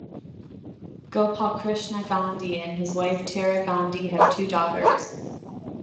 Gopalkrishna Gandhi and his wife Tara Gandhi have two daughters.